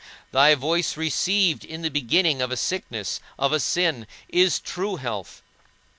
Thy voice received in the beginning of a sickness, of a sin, is true health.